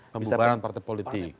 pembangguran partai politik